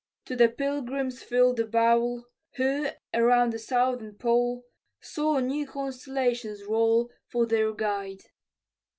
To the pilgrims fill the bowl, Who, around the southern pole, Saw new constellations roll, For their guide.